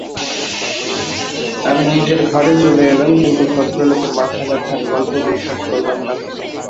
আমি নিজের ঘরে চলে এলাম, কিন্তু ভদ্রলোকের মাথাব্যথার গল্প বিশ্বাস করলাম না।